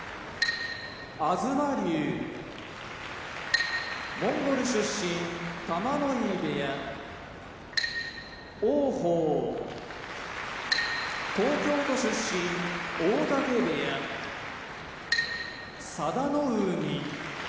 東龍モンゴル出身玉ノ井部屋王鵬東京都出身大嶽部屋佐田の海